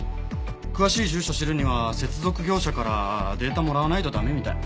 詳しい住所知るには接続業者からデータもらわないと駄目みたい。